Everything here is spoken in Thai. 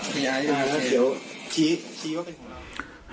ครับมีไอก็เป็นเคเดี๋ยวชี้ชี้ว่าเป็นของเรา